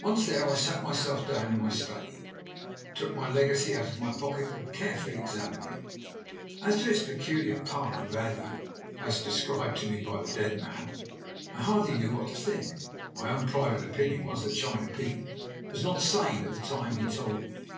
Once there I sat myself down in my study, took my legacy out of my pocket and carefully examined it. As to its peculiar power and value, as described to me by the dead man, I hardly knew what to think. My own private opinion was that China Pete was not sane at the time he told me.